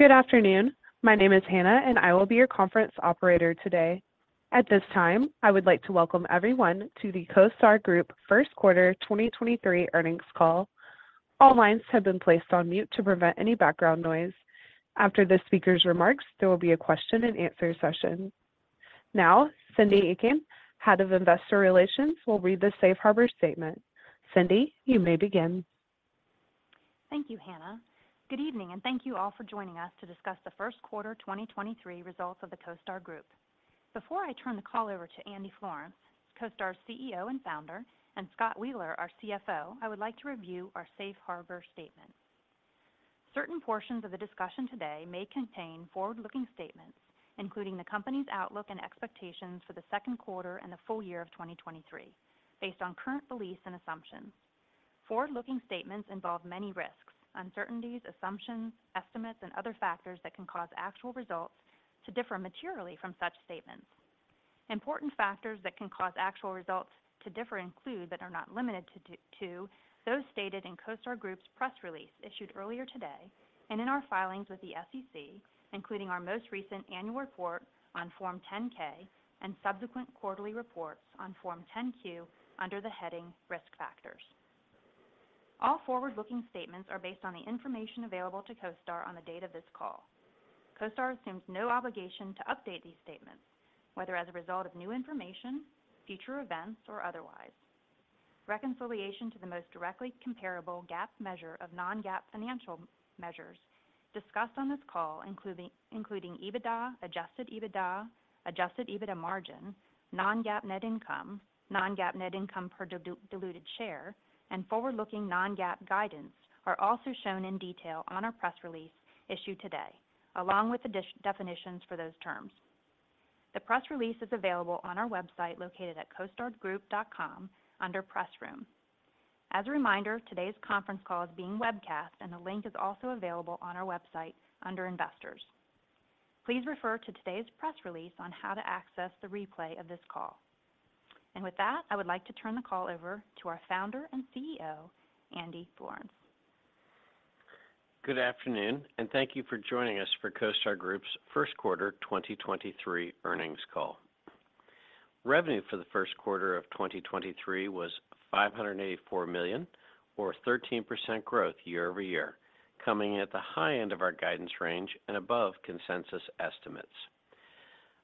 Good afternoon. My name is Hannah, and I will be your conference operator today. At this time, I would like to welcome everyone to the CoStar Group First Quarter 2023 Earnings Call. All lines have been placed on mute to prevent any background noise. After the speaker's remarks, there will be a question and answer session. Cyndi Eakin, Head of Investor Relations, will read the safe harbor statement. Cyndi, you may begin. Thank you, Hannah. Good evening, and thank you all for joining us to discuss the first quarter 2023 results of the CoStar Group. Before I turn the call over to Andy Florance, CoStar's CEO and founder, and Scott Wheeler, our CFO, I would like to review our safe harbor statement. Certain portions of the discussion today may contain forward-looking statements, including the company's outlook and expectations for the second quarter and the full year of 2023 based on current beliefs and assumptions. Forward-looking statements involve many risks, uncertainties, assumptions, estimates, and other factors that can cause actual results to differ materially from such statements. Important factors that can cause actual results to differ include, but are not limited to those stated in CoStar Group's press release issued earlier today and in our filings with the SEC, including our most recent annual report on Form 10-K and subsequent quarterly reports on Form 10-Q under the heading Risk Factors. All forward-looking statements are based on the information available to CoStar on the date of this call. CoStar assumes no obligation to update these statements, whether as a result of new information, future events, or otherwise. Reconciliation to the most directly comparable GAAP measure of non-GAAP financial measures discussed on this call, including EBITDA, adjusted EBITDA, adjusted EBITDA margin, non-GAAP net income, non-GAAP net income per diluted share, and forward-looking non-GAAP guidance, are also shown in detail on our press release issued today, along with definitions for those terms. The press release is available on our website located at costargroup.com under Press Room. As a reminder, today's conference call is being webcast, and the link is also available on our website under Investors. Please refer to today's press release on how to access the replay of this call. With that, I would like to turn the call over to our Founder and CEO, Andy Florance. Good afternoon, and thank you for joining us for CoStar Group's first quarter 2023 earnings call. Revenue for the first quarter of 2023 was $584 million or 13% growth year-over-year, coming at the high end of our guidance range and above consensus estimates.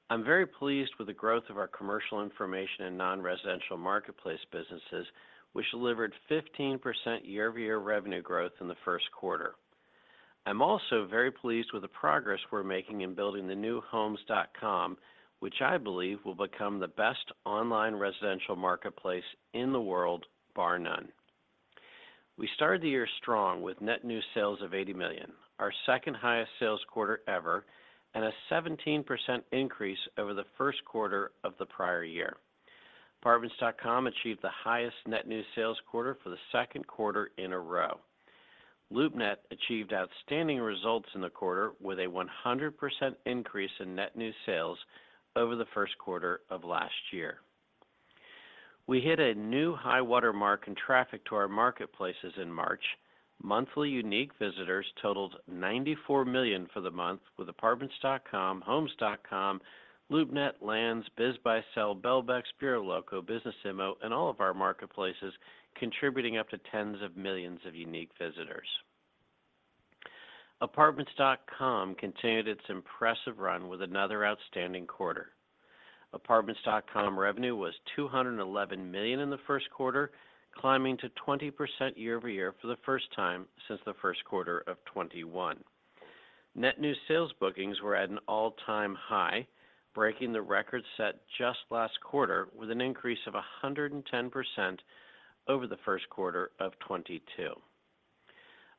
I'm very pleased with the growth of our commercial information and non-residential marketplace businesses, which delivered 15% year-over-year revenue growth in the first quarter. I'm also very pleased with the progress we're making in building the new Homes.com, which I believe will become the best online residential marketplace in the world, bar none. We started the year strong with net new sales of $80 million, our second highest sales quarter ever, and a 17% increase over the first quarter of the prior year. Apartments.com achieved the highest net new sales quarter for the second quarter in a row. LoopNet achieved outstanding results in the quarter with a 100% increase in net new sales over the first quarter of last year. We hit a new high-water mark in traffic to our marketplaces in March. Monthly unique visitors totaled 94 million for the month with Apartments.com, Homes.com, LoopNet, Lands, BizBuySell, Belbex, BureauxLocaux, Business Immo, and all of our marketplaces contributing up to tens of millions of unique visitors. Apartments.com continued its impressive run with another outstanding quarter. Apartments.com revenue was $211 million in the first quarter, climbing to 20% year-over-year for the first time since the first quarter of 2021. Net new sales bookings were at an all-time high, breaking the record set just last quarter with an increase of 110% over the first quarter of 2022.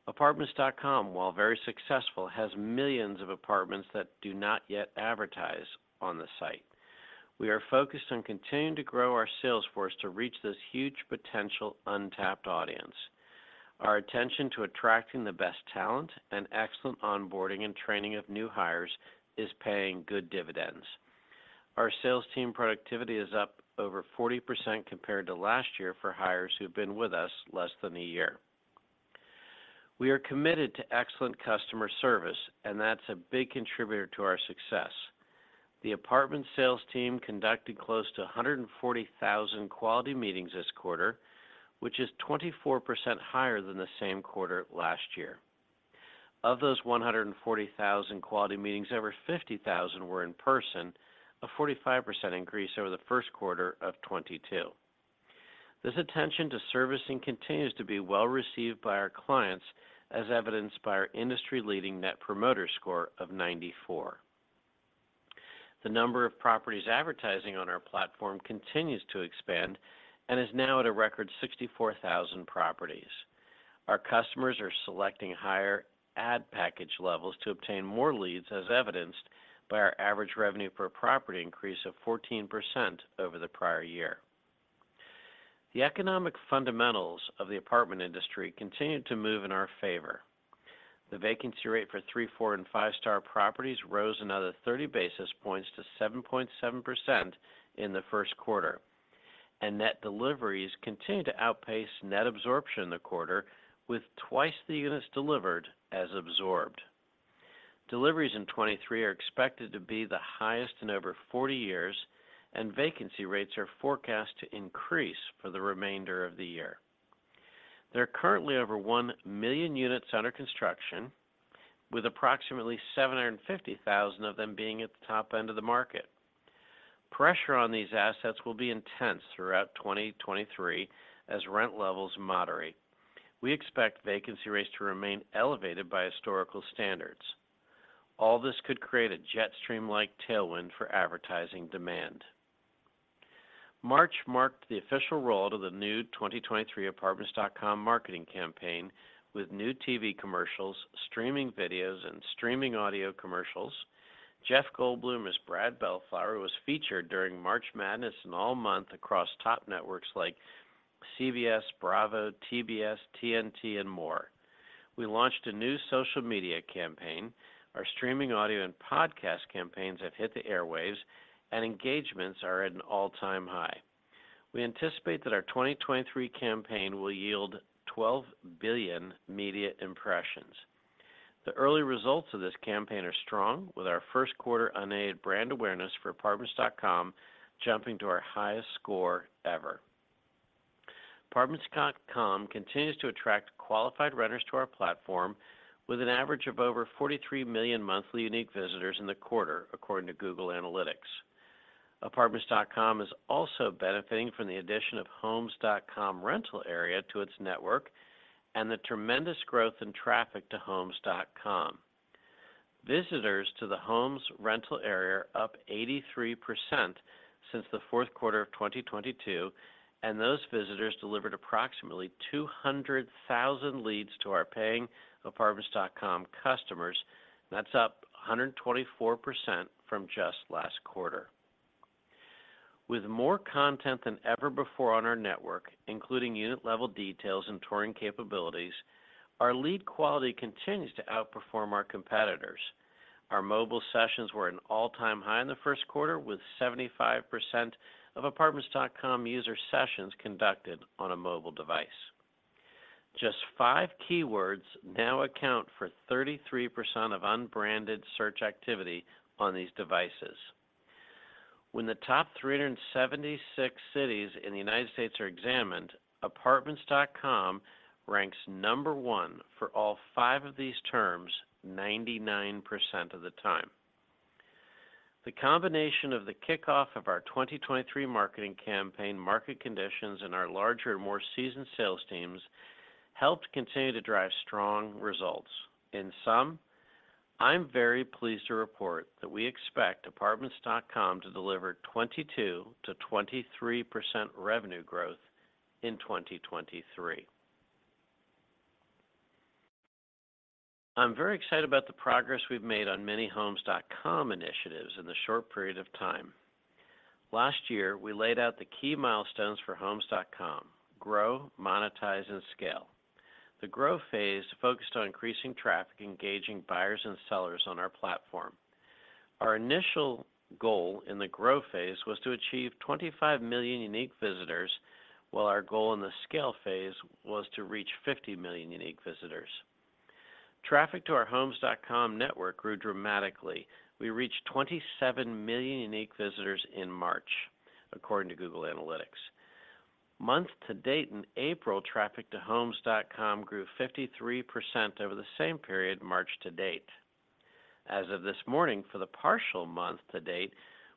Apartments.com, while very successful, has millions of apartments that do not yet advertise on the site. We are focused on continuing to grow our sales force to reach this huge potential untapped audience. Our attention to attracting the best talent and excellent onboarding and training of new hires is paying good dividends. Our sales team productivity is up over 40% compared to last year for hires who've been with us less than a year. We are committed to excellent customer service, and that's a big contributor to our success. The apartment sales team conducted close to 140,000 quality meetings this quarter, which is 24% higher than the same quarter last year. Of those 140,000 quality meetings, over 50,000 were in person, a 45% increase over the first quarter of 2022. This attention to servicing continues to be well received by our clients, as evidenced by our industry-leading Net Promoter Score of 94. The number of properties advertising on our platform continues to expand and is now at a record 64,000 properties. Our customers are selecting higher ad package levels to obtain more leads, as evidenced by our average revenue per property increase of 14% over the prior year. The economic fundamentals of the apartment industry continued to move in our favor. The vacancy rate for three, four, and five-star properties rose another 30 basis points to 7.7% in the first quarter. Net deliveries continue to outpace net absorption in the quarter, with twice the units delivered as absorbed. Deliveries in 2023 are expected to be the highest in over 40 years. Vacancy rates are forecast to increase for the remainder of the year. There are currently over 1 million units under construction, with approximately 750,000 of them being at the top end of the market. Pressure on these assets will be intense throughout 2023 as rent levels moderate. We expect vacancy rates to remain elevated by historical standards. All this could create a jet stream-like tailwind for advertising demand. March marked the official roll to the new 2023 Apartments.com marketing campaign with new TV commercials, streaming videos, and streaming audio commercials. Jeff Goldblum as Brad Bellflower was featured during March Madness and all month across top networks like CBS, Bravo, TBS, TNT, and more. We launched a new social media campaign. Our streaming audio and podcast campaigns have hit the airwaves, and engagements are at an all-time high. We anticipate that our 2023 campaign will yield 12 billion media impressions. The early results of this campaign are strong, with our first quarter unaided brand awareness for Apartments.com jumping to our highest score ever. Apartments.com continues to attract qualified renters to our platform with an average of over 43 million monthly unique visitors in the quarter, according to Google Analytics. Apartments.com is also benefiting from the addition of Homes.com rental area to its network and the tremendous growth in traffic to Homes.com. Visitors to the Homes.com rental area are up 83% since the fourth quarter of 2022, and those visitors delivered approximately 200,000 leads to our paying Apartments.com customers. That's up 124% from just last quarter. With more content than ever before on our network, including unit-level details and touring capabilities, our lead quality continues to outperform our competitors. Our mobile sessions were an all-time high in the first quarter, with 75% of Apartments.com user sessions conducted on a mobile device. Just 5 keywords now account for 33% of unbranded search activity on these devices. When the top 376 cities in the United States are examined, Apartments.com ranks number one for all 5 of these terms 99% of the time. The combination of the kickoff of our 2023 marketing campaign market conditions and our larger and more seasoned sales teams helped continue to drive strong results. In sum, I'm very pleased to report that we expect Apartments.com to deliver 22%-23% revenue growth in 2023. I'm very excited about the progress we've made on many Homes.com initiatives in this short period of time. Last year, we laid out the key milestones for Homes.com: grow, monetize, and scale. The grow phase focused on increasing traffic, engaging buyers and sellers on our platform. Our initial goal in the grow phase was to achieve 25 million unique visitors, while our goal in the scale phase was to reach 50 million unique visitors. Traffic to our Homes.com network grew dramatically. We reached 27 million unique visitors in March, according to Google Analytics. Month to date in April, traffic to Homes.com grew 53% over the same period March to date. As of this morning, for the partial month to date,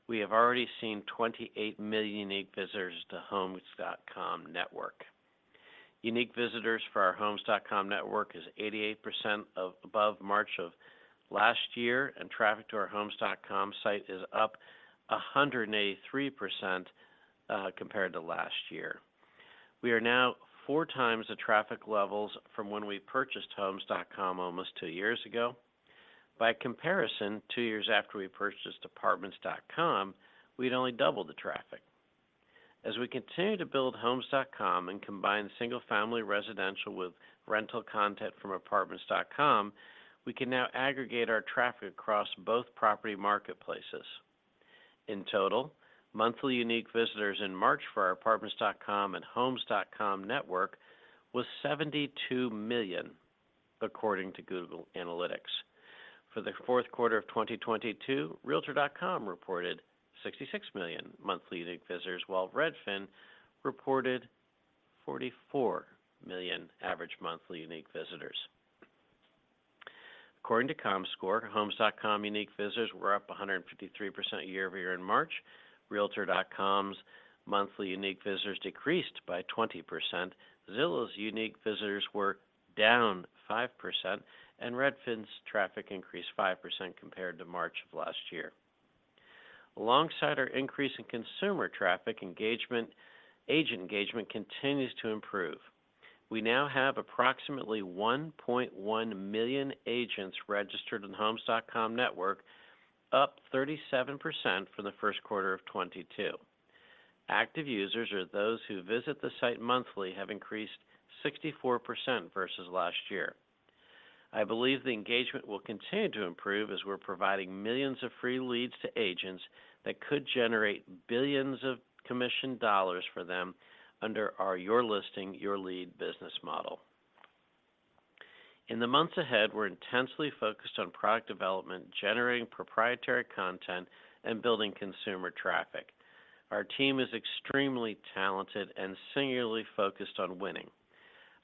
we have already seen 28 million unique visitors to Homes.com network. Unique visitors for our Homes.com network is 88% of above March of last year, and traffic to our Homes.com site is up 183% compared to last year. We are now four times the traffic levels from when we purchased Homes.com almost two years ago. By comparison, 2 years after we purchased Apartments.com, we'd only doubled the traffic. As we continue to build Homes.com and combine single-family residential with rental content from Apartments.com, we can now aggregate our traffic across both property marketplaces. In total, monthly unique visitors in March for our Apartments.com and Homes.com network was 72 million, according to Google Analytics. For the fourth quarter of 2022, Realtor.com reported 66 million monthly unique visitors, while Redfin reported 44 million average monthly unique visitors. According to Comscore, Homes.com unique visitors were up 153% year-over-year in March. Realtor.com's monthly unique visitors decreased by 20%. Zillow's unique visitors were down 5%, and Redfin's traffic increased 5% compared to March of last year. Alongside our increase in consumer traffic engagement, agent engagement continues to improve. We now have approximately 1.1 million agents registered in the Homes.com network, up 37% from the first quarter of 2022. Active users or those who visit the site monthly have increased 64% versus last year. I believe the engagement will continue to improve as we're providing millions of free leads to agents that could generate $ billions of commission dollars for them under our Your Listing, Your Lead business model. In the months ahead, we're intensely focused on product development, generating proprietary content, and building consumer traffic. Our team is extremely talented and singularly focused on winning.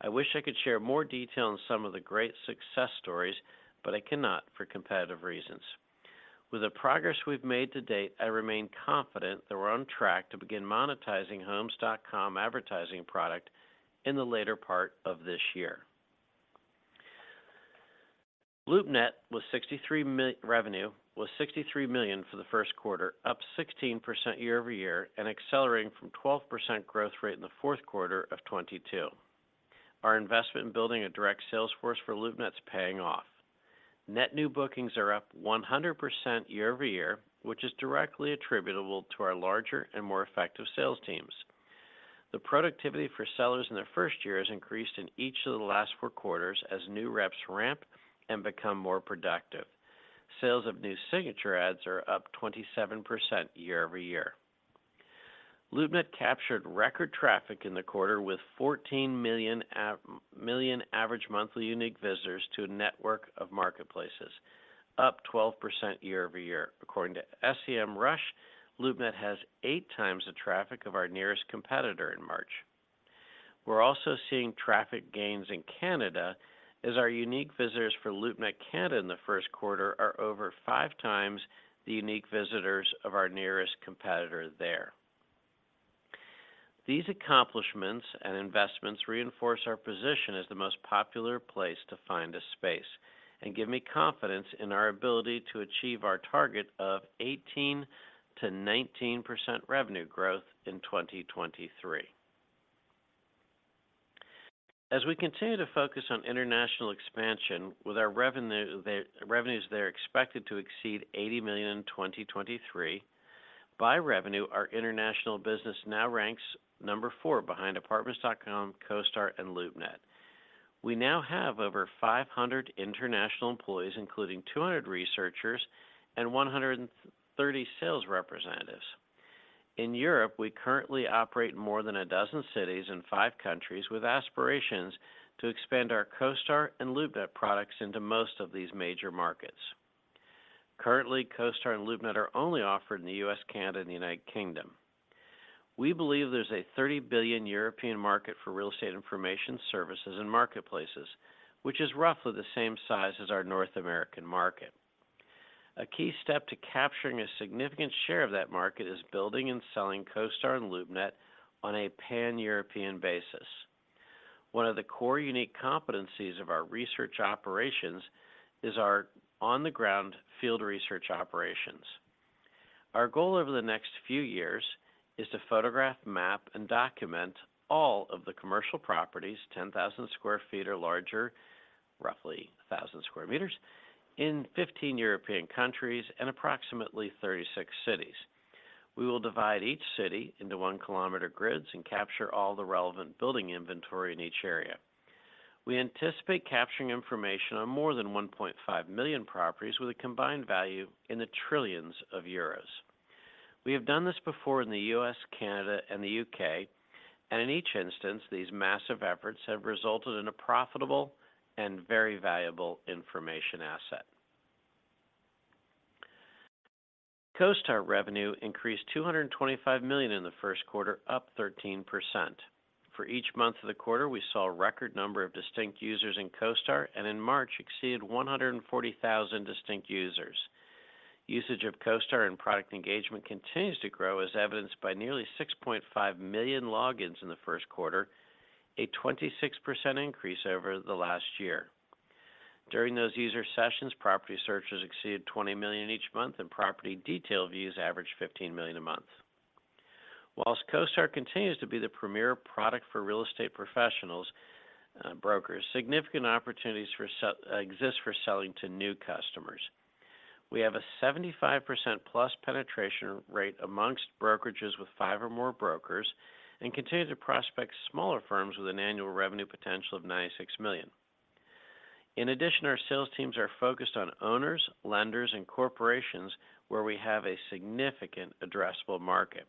I wish I could share more detail on some of the great success stories, but I cannot for competitive reasons. With the progress we've made to date, I remain confident that we're on track to begin monetizing Homes.com advertising product in the later part of this year. LoopNet revenue was $63 million for the first quarter, up 16% year-over-year and accelerating from 12% growth rate in the fourth quarter of 2022. Our investment in building a direct sales force for LoopNet's paying off. Net new bookings are up 100% year-over-year, which is directly attributable to our larger and more effective sales teams. The productivity for sellers in their first year has increased in each of the last four quarters as new reps ramp and become more productive. Sales of new Signature Ads are up 27% year-over-year. LoopNet captured record traffic in the quarter with 14 million average monthly unique visitors to a network of marketplaces, up 12% year-over-year. According to Semrush, LoopNet has eight times the traffic of our nearest competitor in March. We're also seeing traffic gains in Canada as our unique visitors for LoopNet Canada in the first quarter are over five times the unique visitors of our nearest competitor there. These accomplishments and investments reinforce our position as the most popular place to find a space and give me confidence in our ability to achieve our target of 18%-19% revenue growth in 2023. We continue to focus on international expansion with our revenues there expected to exceed $80 million in 2023, by revenue, our international business now ranks number four behind Apartments.com, CoStar, and LoopNet. We now have over 500 international employees, including 200 researchers and 130 sales representatives. In Europe, we currently operate in more than 12 cities and 5 countries with aspirations to expand our CoStar and LoopNet products into most of these major markets. Currently, CoStar and LoopNet are only offered in the U.S., Canada, and U.K. We believe there's a 30 billion European market for real estate information services and marketplaces, which is roughly the same size as our North American market. A key step to capturing a significant share of that market is building and selling CoStar and LoopNet on a pan-European basis. One of the core unique competencies of our research operations is our on-the-ground field research operations. Our goal over the next few years is to photograph, map, and document all of the commercial properties 10,000 sq ft or larger, roughly 1,000 square meters, in 15 European countries and approximately 36 cities. We will divide each city into one-kilometer grids and capture all the relevant building inventory in each area. We anticipate capturing information on more than 1.5 million properties with a combined value in the trillions of euros. We have done this before in the U.S., Canada, and the U.K. In each instance, these massive efforts have resulted in a profitable and very valuable information asset. CoStar revenue increased $225 million in the first quarter, up 13%. For each month of the quarter, we saw a record number of distinct users in CoStar. In March, exceeded 140,000 distinct users. Usage of CoStar and product engagement continues to grow, as evidenced by nearly 6.5 million logins in the first quarter, a 26% increase over the last year. During those user sessions, property searches exceeded 20 million each month, and property detail views averaged 15 million a month. Whilst CoStar continues to be the premier product for real estate professionals, brokers, significant opportunities exist for selling to new customers. We have a 75%-plus penetration rate amongst brokerages with five or more brokers and continue to prospect smaller firms with an annual revenue potential of $96 million. In addition, our sales teams are focused on owners, lenders, and corporations where we have a significant addressable market.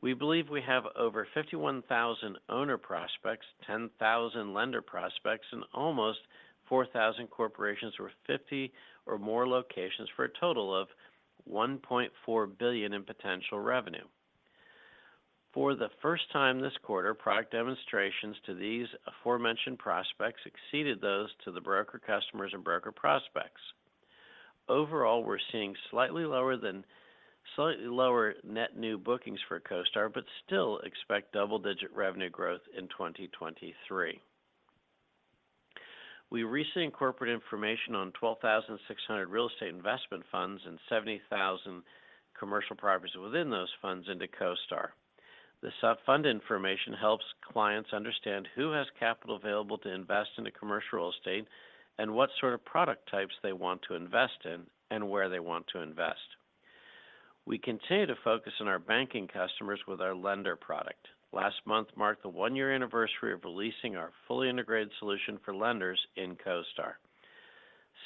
We believe we have over 51,000 owner prospects, 10,000 lender prospects, and almost 4,000 corporations with 50 or more locations for a total of $1.4 billion in potential revenue. For the first time this quarter, product demonstrations to these aforementioned prospects exceeded those to the broker customers and broker prospects. Overall, we're seeing slightly lower net new bookings for CoStar, still expect double-digit revenue growth in 2023. We recently incorporated information on 12,600 real estate investment funds and 70,000 commercial properties within those funds into CoStar. This fund information helps clients understand who has capital available to invest into commercial real estate and what sort of product types they want to invest in and where they want to invest. We continue to focus on our banking customers with our lender product. Last month marked the one-year anniversary of releasing our fully integrated solution for lenders in CoStar.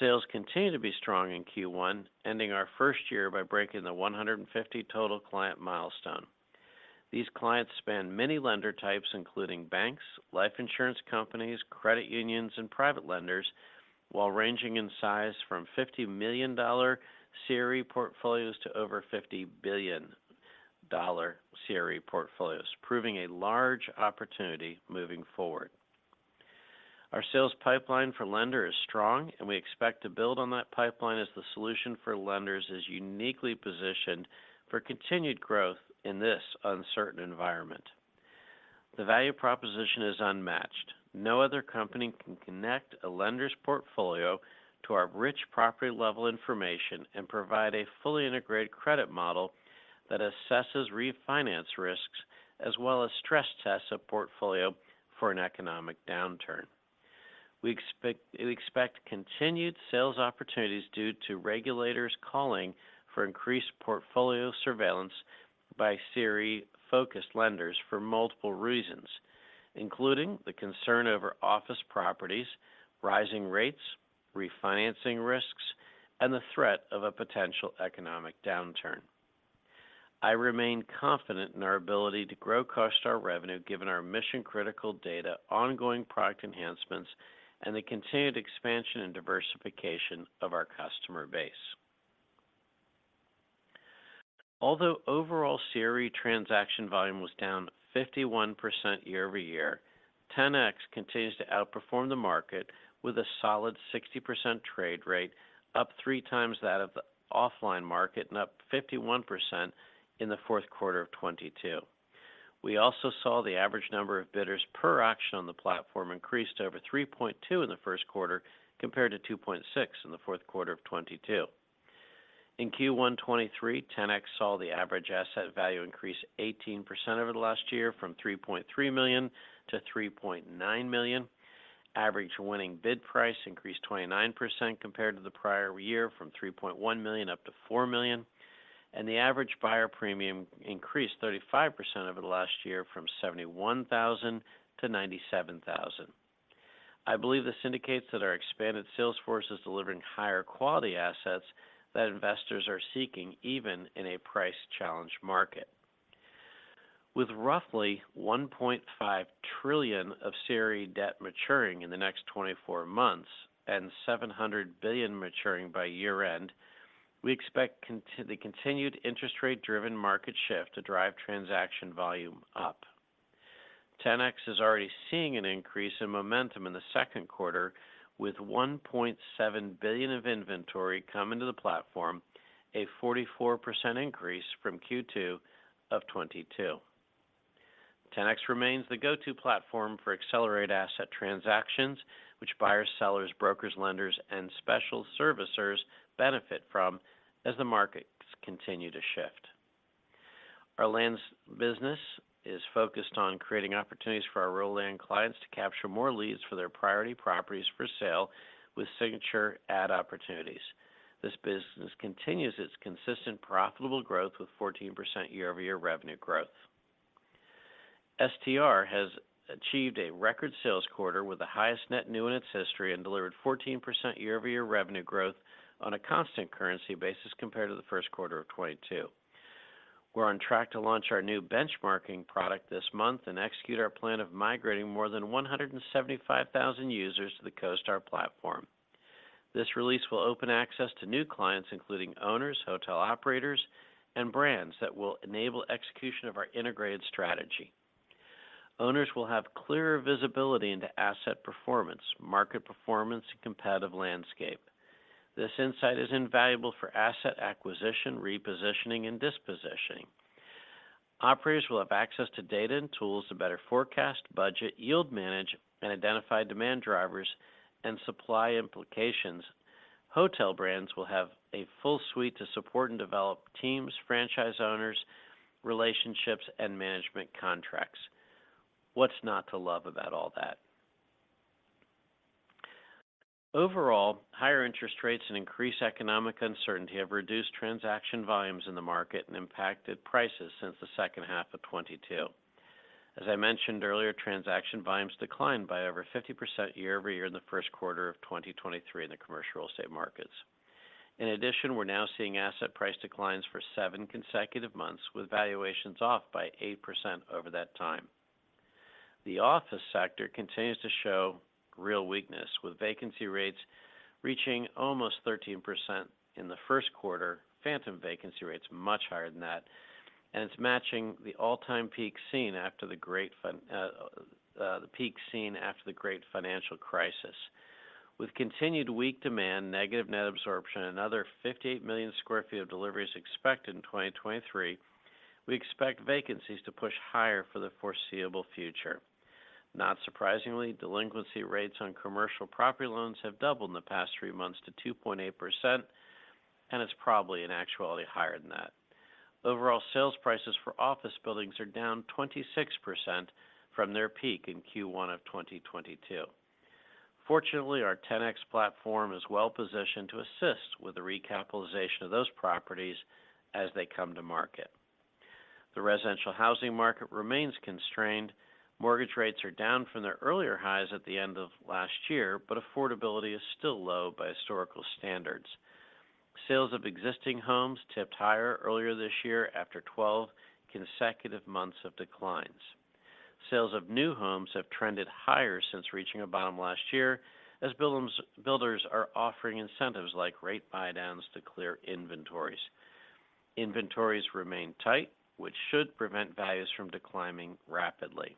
Sales continue to be strong in Q1, ending our first year by breaking the 150 total client milestone. These clients span many lender types, including banks, life insurance companies, credit unions, and private lenders, while ranging in size from $50 million CRE portfolios to over $50 billion CRE portfolios, proving a large opportunity moving forward. Our sales pipeline for lender is strong, and we expect to build on that pipeline as the solution for lenders is uniquely positioned for continued growth in this uncertain environment. The value proposition is unmatched. No other company can connect a lender's portfolio to our rich property-level information and provide a fully integrated credit model that assesses refinance risks as well as stress tests a portfolio for an economic downturn. We expect continued sales opportunities due to regulators calling for increased portfolio surveillance by CRE-focused lenders for multiple reasons, including the concern over office properties, rising rates, refinancing risks, and the threat of a potential economic downturn. I remain confident in our ability to grow CoStar revenue given our mission-critical data, ongoing product enhancements, and the continued expansion and diversification of our customer base. Although overall CRE transaction volume was down 51% year-over-year, Ten-X continues to outperform the market with a solid 60% trade rate, up 3 times that of the offline market and up 51% in the fourth quarter of 2022. We also saw the average number of bidders per auction on the platform increased over 3.2 in the first quarter compared to 2.6 in the fourth quarter of 2022. In Q1 2023, Ten-X saw the average asset value increase 18% over the last year from $3.3 million to $3.9 million. Average winning bid price increased 29% compared to the prior year from $3.1 million up to $4 million. The average buyer premium increased 35% over the last year from $71,000 to $97,000. I believe this indicates that our expanded sales force is delivering higher quality assets that investors are seeking even in a price-challenged market. With roughly $1.5 trillion of CRE debt maturing in the next 24 months and $700 billion maturing by year-end, we expect the continued interest rate-driven market shift to drive transaction volume up. Ten-X is already seeing an increase in momentum in the second quarter with $1.7 billion of inventory coming to the platform, a 44% increase from Q2 of 2022. Ten-X remains the go-to platform for accelerated asset transactions which buyers, sellers, brokers, lenders, and special servicers benefit from as the markets continue to shift. Our lands business is focused on creating opportunities for our rural land clients to capture more leads for their priority properties for sale with Signature Ad opportunities. This business continues its consistent profitable growth with 14% year-over-year revenue growth. STR has achieved a record sales quarter with the highest net new in its history and delivered 14% year-over-year revenue growth on a constant currency basis compared to the first quarter of 2022. We're on track to launch our new benchmarking product this month and execute our plan of migrating more than 175,000 users to the CoStar platform. This release will open access to new clients, including owners, hotel operators, and brands that will enable execution of our integrated strategy. Owners will have clearer visibility into asset performance, market performance, and competitive landscape. This insight is invaluable for asset acquisition, repositioning, and dispositioning. Operators will have access to data and tools to better forecast, budget, yield manage, and identify demand drivers and supply implications. Hotel brands will have a full suite to support and develop teams, franchise owners, relationships, and management contracts. What's not to love about all that? Higher interest rates and increased economic uncertainty have reduced transaction volumes in the market and impacted prices since the second half of 2022. As I mentioned earlier, transaction volumes declined by over 50% year-over-year in the first quarter of 2023 in the commercial real estate markets. In addition, we're now seeing asset price declines for 7 consecutive months, with valuations off by 8% over that time. The office sector continues to show real weakness, with vacancy rates reaching almost 13% in the first quarter, phantom vacancy rates much higher than that, and it's matching the all-time peak seen after the Great Financial Crisis. With continued weak demand, negative net absorption, another 58 million sq ft of delivery is expected in 2023, we expect vacancies to push higher for the foreseeable future. Not surprisingly, delinquency rates on commercial property loans have doubled in the past 3 months to 2.8%, and it's probably in actuality higher than that. Overall sales prices for office buildings are down 26% from their peak in Q1 of 2022. Fortunately, our Ten-X platform is well positioned to assist with the recapitalization of those properties as they come to market. The residential housing market remains constrained. Mortgage rates are down from their earlier highs at the end of last year, but affordability is still low by historical standards. Sales of existing homes tipped higher earlier this year after 12 consecutive months of declines. Sales of new homes have trended higher since reaching a bottom last year, as builders are offering incentives like rate buydowns to clear inventories. Inventories remain tight, which should prevent values from declining rapidly.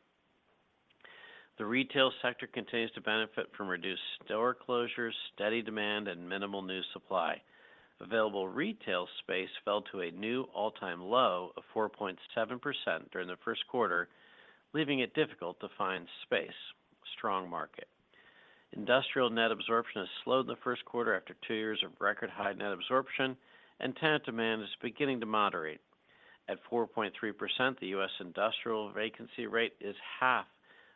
The retail sector continues to benefit from reduced store closures, steady demand, and minimal new supply. Available retail space fell to a new all-time low of 4.7% during the first quarter, leaving it difficult to find space. Strong market. Industrial net absorption has slowed in the first quarter after two years of record-high net absorption, and tenant demand is beginning to moderate. At 4.3%, the US industrial vacancy rate is half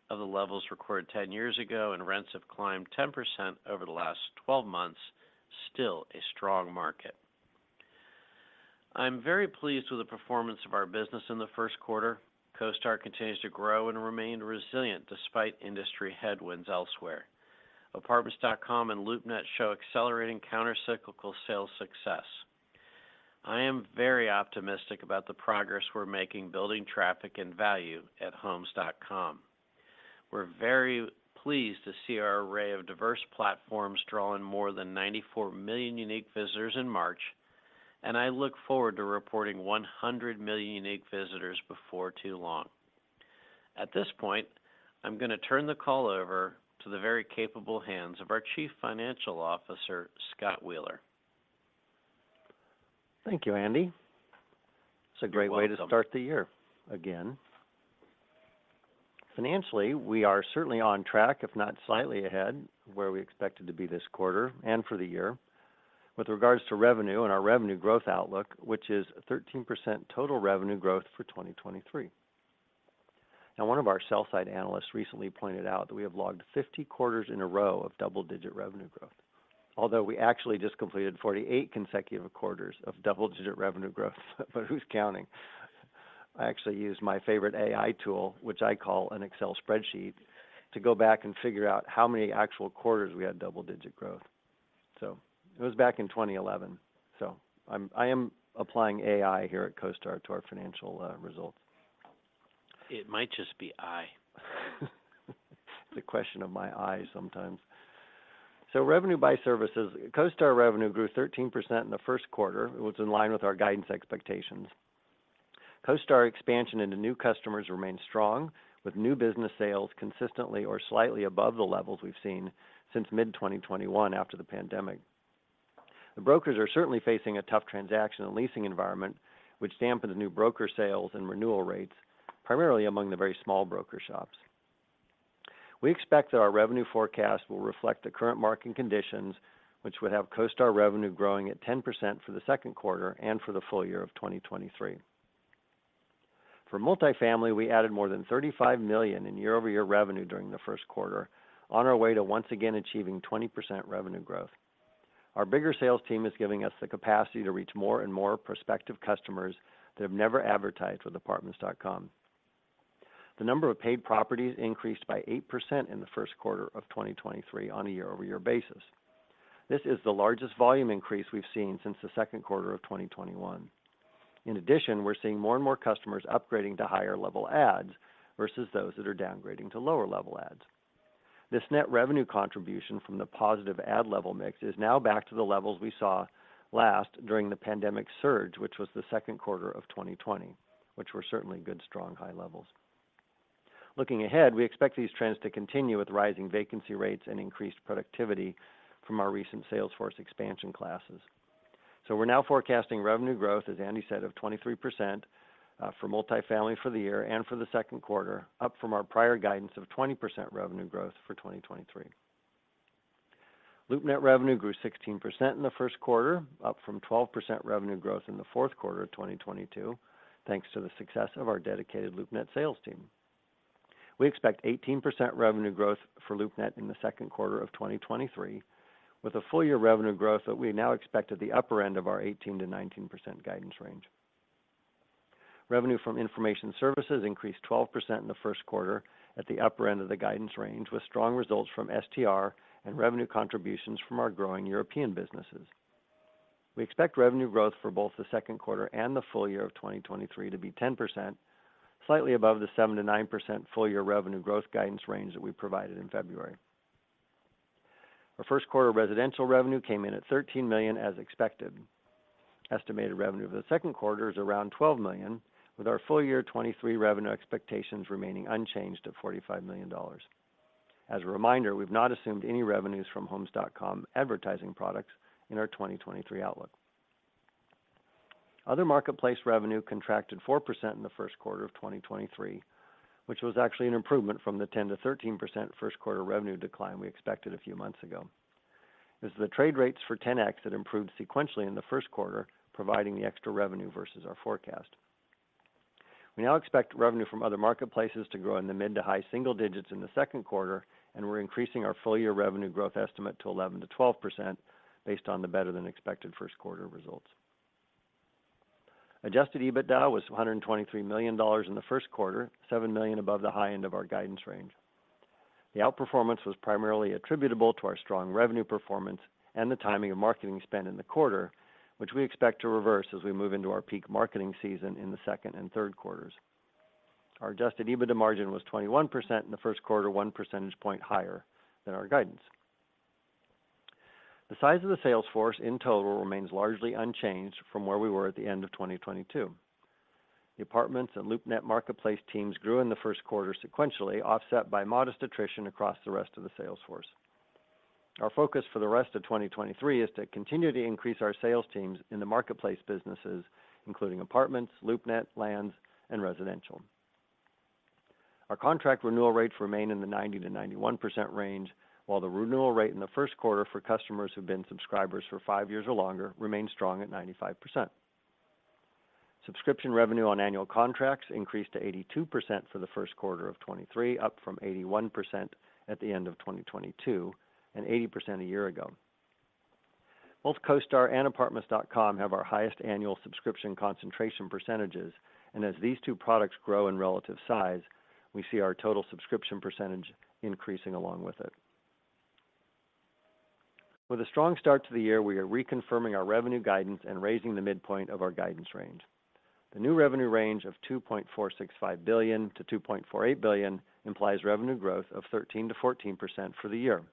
of the levels recorded 10 years ago, and rents have climbed 10% over the last 12 months. Still a strong market. I'm very pleased with the performance of our business in the first quarter. CoStar continues to grow and remain resilient despite industry headwinds elsewhere. Apartments.com and LoopNet show accelerating countercyclical sales success. I am very optimistic about the progress we're making building traffic and value at Homes.com. We're very pleased to see our array of diverse platforms draw in more than 94 million unique visitors in March. I look forward to reporting 100 million unique visitors before too long. At this point, I'm gonna turn the call over to the very capable hands of our Chief Financial Officer, Scott Wheeler. Thank you, Andy. You're welcome. It's a great way to start the year again. Financially, we are certainly on track, if not slightly ahead of where we expected to be this quarter and for the year with regards to revenue and our revenue growth outlook, which is a 13% total revenue growth for 2023. One of our sell side analysts recently pointed out that we have logged 50 quarters in a row of double-digit revenue growth. We actually just completed 48 consecutive quarters of double-digit revenue growth, who's counting? I actually used my favorite AI tool, which I call an Excel spreadsheet, to go back and figure out how many actual quarters we had double-digit growth. It was back in 2011. I am applying AI here at CoStar to our financial results. It might just be I. The question of my I sometimes. Revenue by services. CoStar revenue grew 13% in the first quarter, which was in line with our guidance expectations. CoStar expansion into new customers remained strong, with new business sales consistently or slightly above the levels we've seen since mid-2021 after the pandemic. The brokers are certainly facing a tough transaction and leasing environment, which dampened the new broker sales and renewal rates, primarily among the very small broker shops. We expect that our revenue forecast will reflect the current market conditions, which would have CoStar revenue growing at 10% for the second quarter and for the full year of 2023. For multifamily, we added more than $35 million in year-over-year revenue during the first quarter on our way to once again achieving 20% revenue growth. Our bigger sales team is giving us the capacity to reach more and more prospective customers that have never advertised with Apartments.com. The number of paid properties increased by 8% in the first quarter of 2023 on a year-over-year basis. This is the largest volume increase we've seen since the second quarter of 2021. In addition, we're seeing more and more customers upgrading to higher level ads versus those that are downgrading to lower level ads. This net revenue contribution from the positive ad level mix is now back to the levels we saw last during the pandemic surge, which was the second quarter of 2020, which were certainly good, strong, high levels. Looking ahead, we expect these trends to continue with rising vacancy rates and increased productivity from our recent sales force expansion classes. We're now forecasting revenue growth, as Andy said, of 23% for multifamily for the year and for the second quarter, up from our prior guidance of 20% revenue growth for 2023. LoopNet revenue grew 16% in the first quarter, up from 12% revenue growth in the fourth quarter of 2022, thanks to the success of our dedicated LoopNet sales team. We expect 18% revenue growth for LoopNet in the second quarter of 2023, with a full year revenue growth that we now expect at the upper end of our 18%-19% guidance range. Revenue from information services increased 12% in the first quarter at the upper end of the guidance range, with strong results from STR and revenue contributions from our growing European businesses. We expect revenue growth for both the second quarter and the full year of 2023 to be 10%, slightly above the 7%-9% full year revenue growth guidance range that we provided in February. Our first quarter residential revenue came in at $13 million as expected. Estimated revenue for the second quarter is around $12 million, with our full year 2023 revenue expectations remaining unchanged at $45 million. As a reminder, we've not assumed any revenues from Homes.com advertising products in our 2023 outlook. Other marketplace revenue contracted 4% in the first quarter of 2023, which was actually an improvement from the 10%-13% first quarter revenue decline we expected a few months ago. The trade rates for Ten-X had improved sequentially in the first quarter, providing the extra revenue versus our forecast. We now expect revenue from other marketplaces to grow in the mid to high single digits in the second quarter, and we're increasing our full-year revenue growth estimate to 11%-12% based on the better-than-expected first quarter results. Adjusted EBITDA was $123 million in the first quarter, $7 million above the high end of our guidance range. The outperformance was primarily attributable to our strong revenue performance and the timing of marketing spend in the quarter, which we expect to reverse as we move into our peak marketing season in the second and third quarters. Our adjusted EBITDA margin was 21% in the first quarter, one percentage point higher than our guidance. The size of the sales force in total remains largely unchanged from where we were at the end of 2022. The Apartments and LoopNet marketplace teams grew in the first quarter sequentially, offset by modest attrition across the rest of the sales force. Our focus for the rest of 2023 is to continue to increase our sales teams in the marketplace businesses, including Apartments, LoopNet, Land.com, and Residential. Our contract renewal rates remain in the 90%-91% range, while the renewal rate in the first quarter for customers who've been subscribers for five years or longer remains strong at 95%. Subscription revenue on annual contracts increased to 82% for the first quarter of 2023, up from 81% at the end of 2022 and 80% a year ago. Both CoStar and Apartments.com have our highest annual subscription concentration percentages, as these two products grow in relative size, we see our total subscription percentage increasing along with it. With a strong start to the year, we are reconfirming our revenue guidance and raising the midpoint of our guidance range. The new revenue range of $2.465 billion to $2.48 billion implies revenue growth of 13%-14% for the year.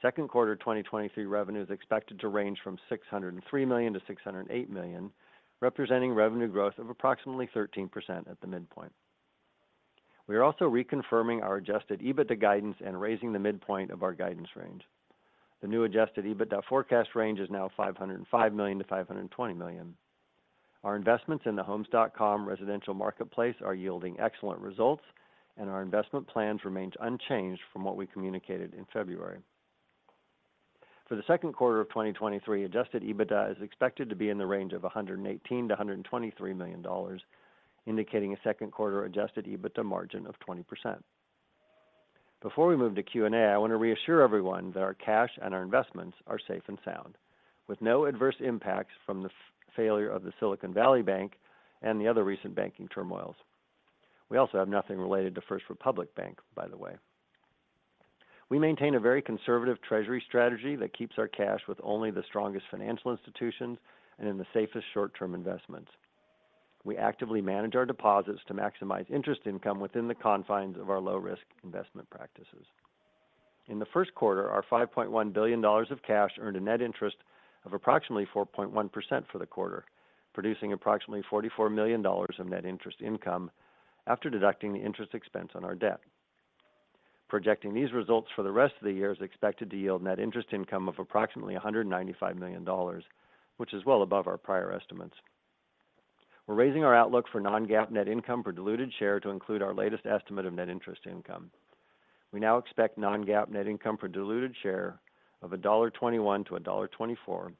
Second quarter 2023 revenue is expected to range from $603 million to $608 million, representing revenue growth of approximately 13% at the midpoint. We are also reconfirming our adjusted EBITDA guidance and raising the midpoint of our guidance range. The new adjusted EBITDA forecast range is now $505 million to $520 million. Our investments in the Homes.com residential marketplace are yielding excellent results. Our investment plans remains unchanged from what we communicated in February. For the second quarter of 2023, adjusted EBITDA is expected to be in the range of $118 million-$123 million, indicating a second quarter adjusted EBITDA margin of 20%. Before we move to Q&A, I want to reassure everyone that our cash and our investments are safe and sound, with no adverse impacts from the failure of the Silicon Valley Bank and the other recent banking turmoils. We also have nothing related to First Republic Bank, by the way. We maintain a very conservative treasury strategy that keeps our cash with only the strongest financial institutions and in the safest short-term investments. We actively manage our deposits to maximize interest income within the confines of our low-risk investment practices. In the first quarter, our $5.1 billion of cash earned a net interest of approximately 4.1% for the quarter, producing approximately $44 million of net interest income after deducting the interest expense on our debt. Projecting these results for the rest of the year is expected to yield net interest income of approximately $195 million, which is well above our prior estimates. We're raising our outlook for non-GAAP net income per diluted share to include our latest estimate of net interest income. We now expect non-GAAP net income per diluted share of $1.21-$1.24,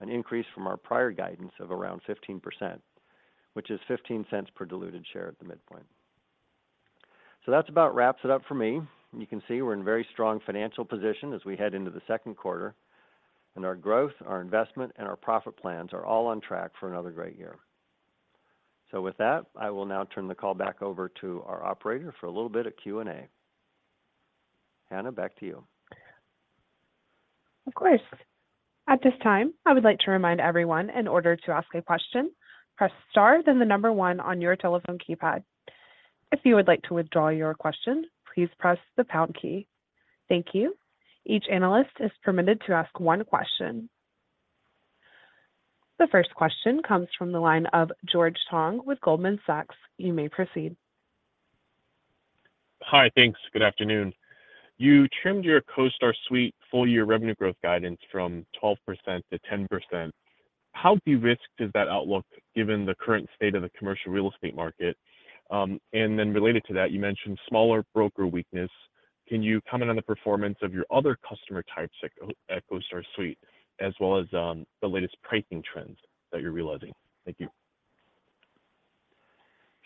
an increase from our prior guidance of around 15%, which is $0.15 per diluted share at the midpoint. That's about wraps it up for me. You can see we're in very strong financial position as we head into the second quarter, our growth, our investment, and our profit plans are all on track for another great year. With that, I will now turn the call back over to our operator for a little bit of Q&A. Hannah, back to you. Of course. At this time, I would like to remind everyone, in order to ask a question, press star, then the 1 on your telephone keypad. If you would like to withdraw your question, please press the pound key. Thank you. Each analyst is permitted to ask 1 question. The first question comes from the line of George Tong with Goldman Sachs. You may proceed. Hi. Thanks. Good afternoon. You trimmed your CoStar Suite full year revenue growth guidance from 12% to 10%. How de-risked is that outlook given the current state of the commercial real estate market? Related to that, you mentioned smaller broker weakness. Can you comment on the performance of your other customer types at CoStar Suite as well as the latest pricing trends that you're realizing? Thank you.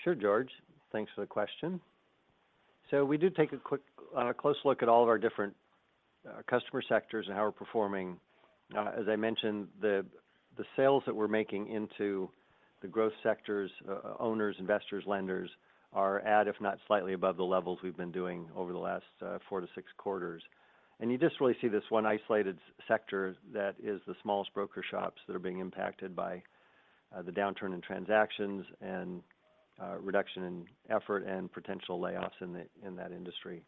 Sure, George. Thanks for the question. We do take a close look at all of our different customer sectors and how we're performing. As I mentioned, the sales that we're making into the growth sectors, owners, investors, lenders are at, if not slightly above the levels we've been doing over the last four to six quarters. You just really see this one isolated sector that is the smallest broker shops that are being impacted by the downturn in transactions and reduction in effort and potential layoffs in that industry.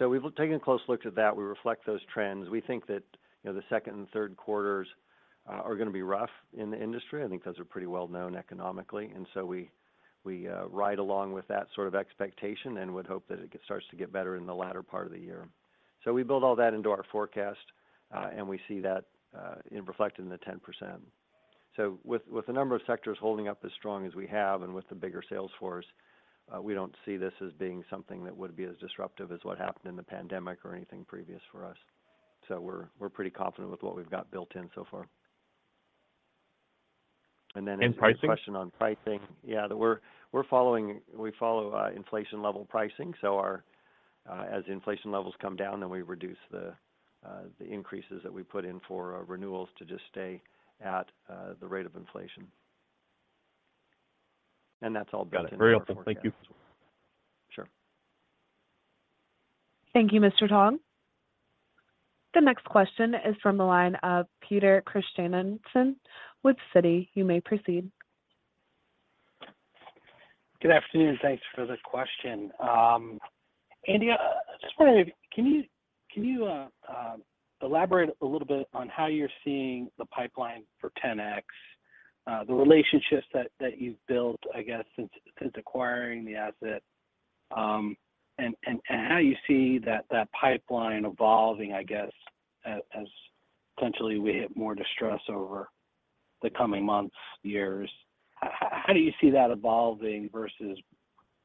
We've taken a close look at that. We reflect those trends. We think that, you know, the second and third quarters are gonna be rough in the industry. I think those are pretty well known economically. We ride along with that sort of expectation and would hope that it starts to get better in the latter part of the year. We build all that into our forecast, and we see that in reflected in the 10%. With the number of sectors holding up as strong as we have and with the bigger sales force, we don't see this as being something that would be as disruptive as what happened in the pandemic or anything previous for us. We're pretty confident with what we've got built in so far. Pricing? A question on pricing. Yeah. We follow inflation-level pricing, so our, as inflation levels come down, then we reduce the increases that we put in for renewals to just stay at the rate of inflation. That's all built in. Got it. Very helpful. Thank you. Sure. Thank you, Mr. Tong. The next question is from the line of Peter Christiansen with Citi. You may proceed. Good afternoon. Thanks for the question. Andy, I just wondering, can you elaborate a little bit on how you're seeing the pipeline for Ten-X, the relationships that you've built, I guess, since acquiring the asset. How you see that pipeline evolving, I guess, as potentially we hit more distress over the coming months, years. How do you see that evolving versus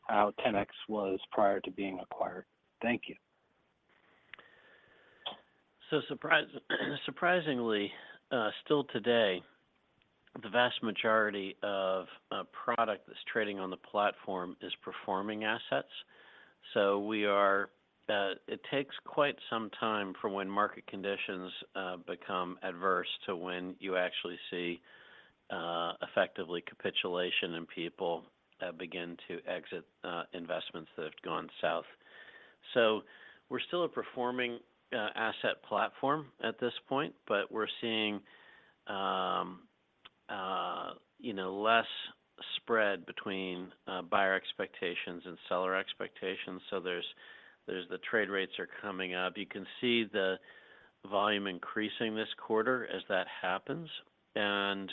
how Ten-X was prior to being acquired? Thank you. Surprisingly, still today, the vast majority of product that's trading on the platform is performing assets. It takes quite some time from when market conditions become adverse to when you actually see effectively capitulation and people begin to exit investments that have gone south. We're still a performing asset platform at this point, but we're seeing, you know, less spread between buyer expectations and seller expectations. There's the trade rates are coming up. You can see the volume increasing this quarter as that happens, and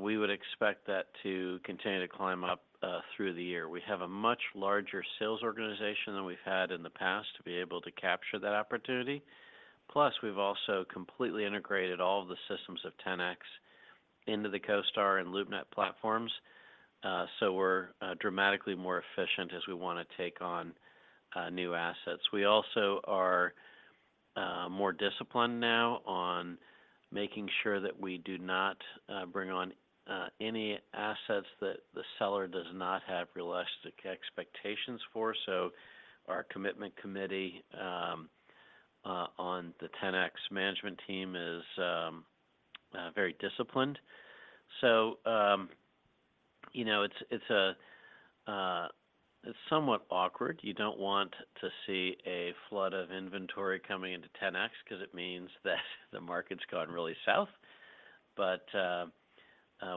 we would expect that to continue to climb up through the year. We have a much larger sales organization than we've had in the past to be able to capture that opportunity. Plus we've also completely integrated all of the systems of Ten-X into the CoStar and LoopNet platforms. So we're dramatically more efficient as we want to take on new assets. We also are more disciplined now on making sure that we do not bring on any assets that the seller does not have realistic expectations for. So our commitment committee on the Ten-X management team is very disciplined. So, you know, it's a somewhat awkward. You don't want to see a flood of inventory coming into Ten-X because it means that the market's gone really south. But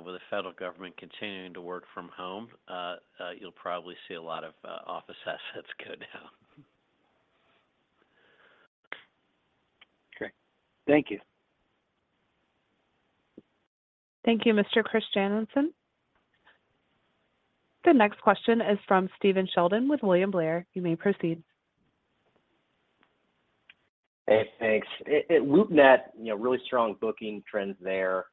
with the federal government continuing to work from home, you'll probably see a lot of office assets go down Okay. Thank you. Thank you, Mr. Christiansen. The next question is from Stephen Sheldon with William Blair. You may proceed. Hey, thanks. At LoopNet, you know, really strong booking trends there.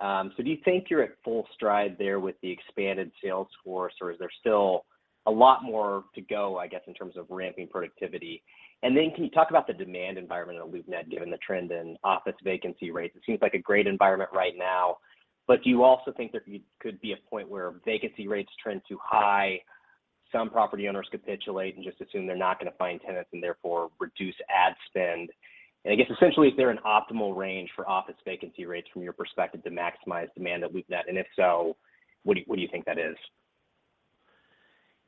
Do you think you're at full stride there with the expanded sales force, or is there still a lot more to go, I guess, in terms of ramping productivity? Can you talk about the demand environment at LoopNet, given the trend in office vacancy rates? It seems like a great environment right now, but do you also think there could be a point where vacancy rates trend too high, some property owners capitulate and just assume they're not gonna find tenants and therefore reduce ad spend? I guess essentially, is there an optimal range for office vacancy rates from your perspective to maximize demand at LoopNet, and if so, what do you think that is?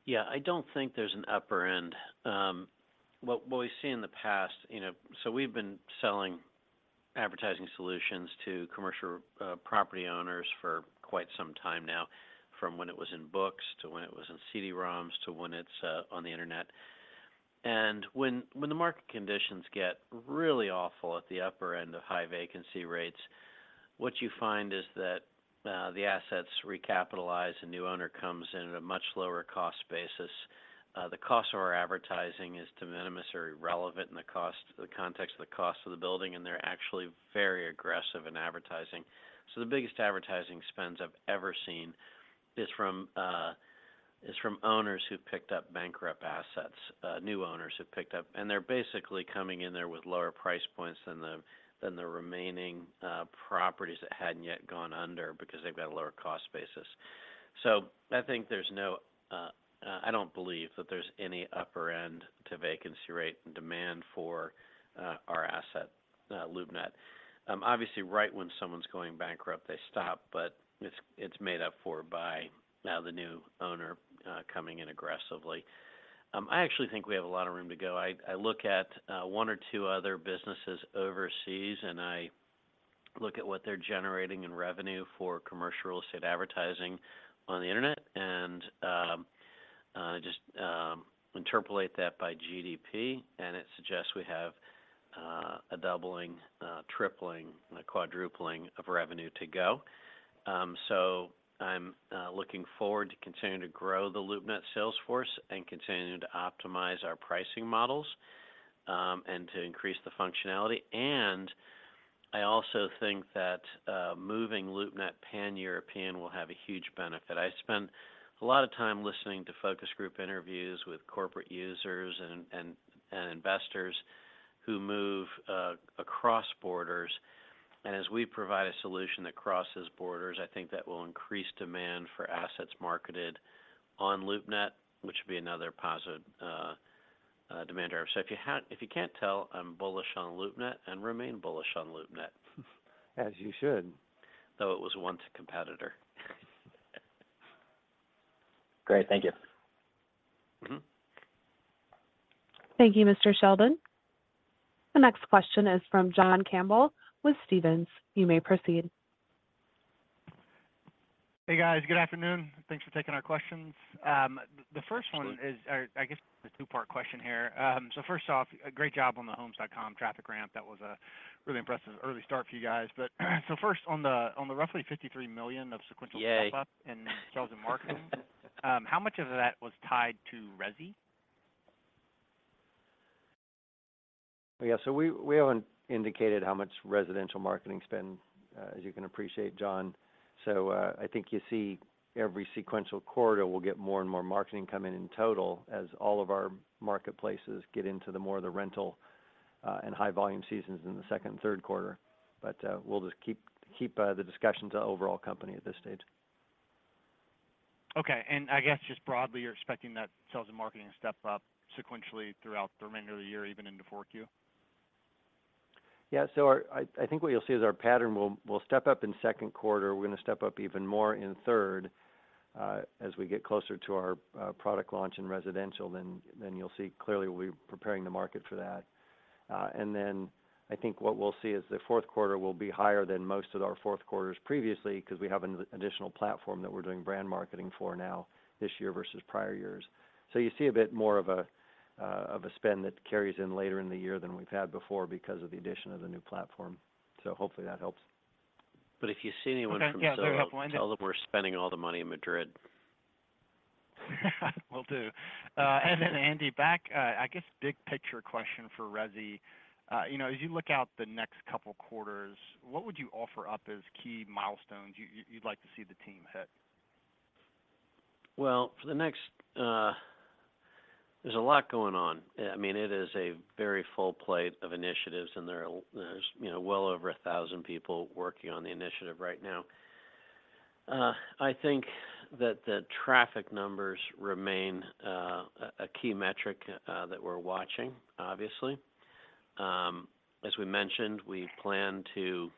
Yeah, I don't think there's an upper end. What we see in the past, you know, we've been selling advertising solutions to commercial property owners for quite some time now, from when it was in books to when it was in CD-ROMs to when it's on the internet. When the market conditions get really awful at the upper end of high vacancy rates, what you find is that the assets recapitalize and new owner comes in at a much lower cost basis. The cost of our advertising is de minimis or irrelevant in the context of the cost of the building, and they're actually very aggressive in advertising. The biggest advertising spends I've ever seen is from owners who picked up bankrupt assets, new owners who picked up. They're basically coming in there with lower price points than the remaining properties that hadn't yet gone under because they've got a lower cost basis. I think there's no I don't believe that there's any upper end to vacancy rate and demand for our asset LoopNet. Obviously right when someone's going bankrupt, they stop, but it's made up for by now the new owner coming in aggressively. I actually think we have a lot of room to go. I look at one or two other businesses overseas, and I look at what they're generating in revenue for commercial real estate advertising on the internet and just interpolate that by GDP, and it suggests we have a doubling, a tripling, and a quadrupling of revenue to go. I'm looking forward to continuing to grow the LoopNet sales force and continuing to optimize our pricing models and to increase the functionality. I think that moving LoopNet pan-European will have a huge benefit. I spent a lot of time listening to focus group interviews with corporate users and investors who move across borders. As we provide a solution that crosses borders, I think that will increase demand for assets marketed on LoopNet, which would be another positive demand driver. If you can't tell, I'm bullish on LoopNet and remain bullish on LoopNet. As you should. Though it was once a competitor. Great. Thank you. Mm-hmm. Thank you, Mr. Sheldon. The next question is from John Campbell with Stephens. You may proceed. Hey, guys. Good afternoon. Thanks for taking our questions. Absolutely. The first one is, or I guess a two-part question here. First off, great job on the Homes.com traffic ramp. That was a really impressive early start for you guys. First on the, on the roughly $53 million of sequential- Yay. step up in sales and marketing, how much of that was tied to Resi? We haven't indicated how much residential marketing spend, as you can appreciate, John. I think you see every sequential quarter we'll get more and more marketing coming in total as all of our marketplaces get into the more of the rental and high volume seasons in the second and third quarter. We'll just keep the discussion to overall company at this stage. Okay. I guess just broadly, you're expecting that sales and marketing to step up sequentially throughout the remainder of the year, even into four Q? Yeah. I think what you'll see is our pattern will step up in second quarter. We're gonna step up even more in third, as we get closer to our product launch in residential, then you'll see clearly we're preparing the market for that. I think what we'll see is the fourth quarter will be higher than most of our fourth quarters previously 'cause we have an additional platform that we're doing brand marketing for now this year versus prior years. You see a bit more of a spend that carries in later in the year than we've had before because of the addition of the new platform. Hopefully that helps. if you see anyone... Okay. Yeah. Very helpful. Sales, tell them we're spending all the money in Madrid. Will do. Andy, back, I guess big picture question for Resi. You know, as you look out the next couple quarters, what would you offer up as key milestones you'd like to see the team hit? Well, for the next... There's a lot going on. I mean, it is a very full plate of initiatives, and there's, you know, well over 1,000 people working on the initiative right now. I think that the traffic numbers remain a key metric that we're watching, obviously. As we mentioned, we plan to